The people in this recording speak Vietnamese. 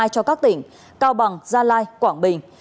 cho các tỉnh cao bằng gia lai quảng bình